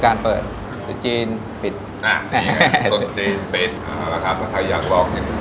ร้านนี้จะยืนกันยังไง